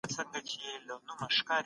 تاريخ د پوهي يوه پراخه خزانه ده.